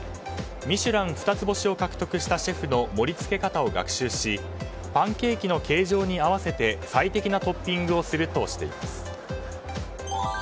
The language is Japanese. ミシュラン二つ星を獲得したシェフの盛り付け方を学習しパンケーキの形状に合わせて最適なトッピングをするとしています。